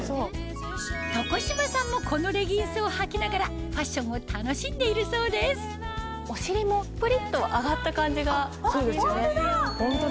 床嶋さんもこのレギンスをはきながらファッションを楽しんでいるそうですお尻もプリっと上がった感じがありますよね。